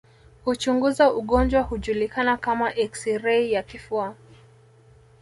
Huchunguza ugonjwa hujulikana kama eksirei ya kifua